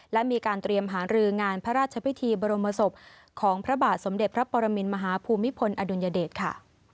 และมีการเตรียมหารืองานพระราชพิธีบรมศพของพระบาทสมเด็จพระปรมินมหาภูมิพลอดุลยเดชค่ะ